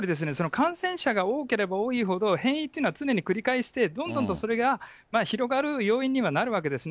感染者が多ければ多いほど、変異っていうのは常に繰り返して、どんどんとそれが広がる要因にはなるわけですね。